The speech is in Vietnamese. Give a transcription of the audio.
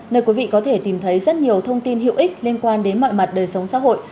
nơi quý vị có thể tìm thấy rất nhiều thông tin hữu ích liên quan đến mọi mặt đời sống xã hội